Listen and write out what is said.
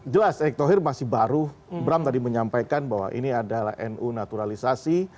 jelas erick thohir masih baru bram tadi menyampaikan bahwa ini adalah nu naturalisasi